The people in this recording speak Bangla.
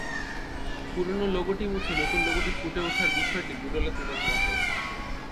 পুরোনো লোগোটি মুছে নতুন লোগোটি ফুটে ওঠার বিষয়টি ডুডলে তুলে ধরা হয়েছে।